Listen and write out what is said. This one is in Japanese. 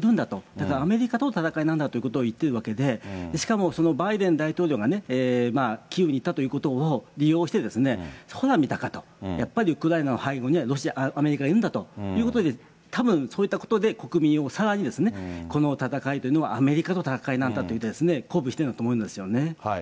だからアメリカとの戦いなんだということをいってるわけで、しかもバイデン大統領がキーウに行ったということを利用して、ほら見たことかと、やっぱりウクライナの背後にはアメリカがいるんだということで、たぶん、そういったことで、国民をさらに、この戦いというのは、アメリカとの戦いなんだと言って、鼓舞しているんだと思いますね。